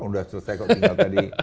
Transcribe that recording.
sudah selesai kok misal tadi